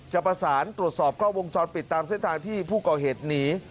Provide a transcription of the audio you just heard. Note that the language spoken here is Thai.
จะประสานตรวจสอบกล้องวงจรปิดตามเส้นทางที่ผู้ก่อเหตุหนี